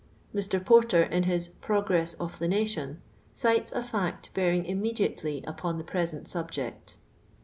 Mr. PorttT, in his " Progress of the* Nation," citos n foot bo:iring im!nediat<.*Iy upon the piesent subject.